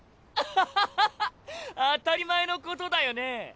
ハハハハ当たり前のことだよね？